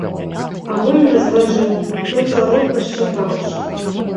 Агонь разлажыў, той калок пашчапаўшы.